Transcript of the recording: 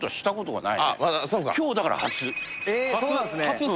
そうなんすね